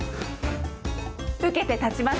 受けて立ちます！